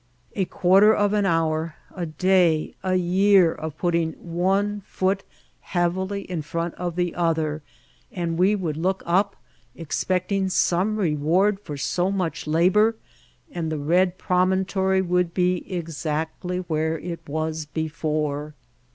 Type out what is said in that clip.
A quarter of an hour, a day, a year of putting one foot heavily in front of the other, and we would look up expecting some reward for so much labor, and the red promontory would be exactly where it was before.